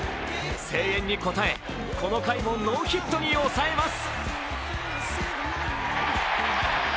声援に応え、この回もノーヒットに抑えます。